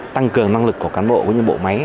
tăng cường năng lực của cán bộ của những bộ máy